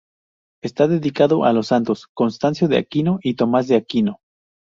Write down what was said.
Está dedicado a los Santos Constancio de Aquino y Tomás de Aquino.